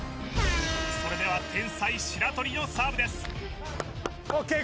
それでは天才・白鳥のサーブですＯＫいこう！